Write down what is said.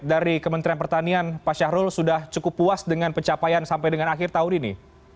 dari kementerian pertanian pak syahrul sudah cukup puas dengan pencapaian sampai dengan akhir tahun ini